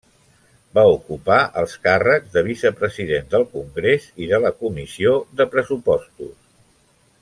Va ocupar els càrrecs de vicepresident del Congrés i de la Comissió de Pressupostos.